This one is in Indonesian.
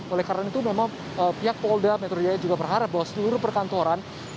oleh karena itu memang pihak polda metro jaya juga berharap bahwa seluruh perkantoran